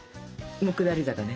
下り坂ね。